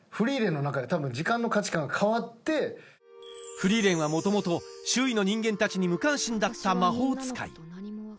フリーレンは元々周囲の人間たちに無関心だった魔法使い